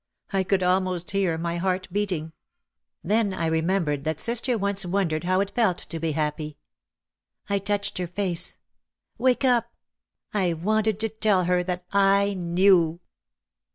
I could almost hear my heart beating. Then I remembered that sister once won dered how it felt to be happy. I touched her face, "Wake up!" I wanted to tell her that I knew.